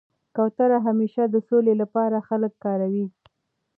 کوتره همېشه د سولي له پاره خلک کاروي.